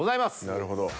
なるほど。